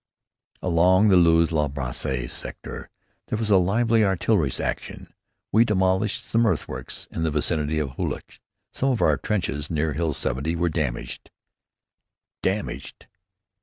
"Along the Loos La Bassée sector there was a lively artillery action. We demolished some earthworks in the vicinity of Hulluch. Some of our trenches near Hill 70 were damaged." "Damaged!"